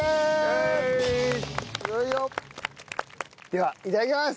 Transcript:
ではいただきます！